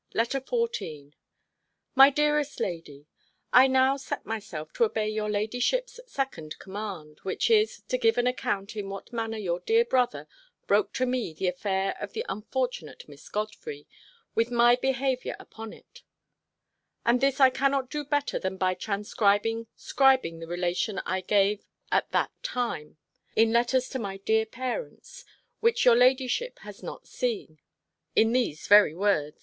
B. LETTER XIV MY DEAREST LADY, I now set myself to obey your ladyship's second command, which is, to give an account in what manner your dear brother broke to me the affair of the unfortunate Miss Godfrey, with my behaviour upon it; and this I cannot do better, than by transcribing scribing the relation I gave at that time, in letters to my dear parents, which your ladyship has not seen, in these very words.